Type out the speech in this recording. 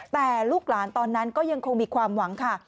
แต่ลูกหลานตอนนั้นก็ยังคงมีความหวังค่ะ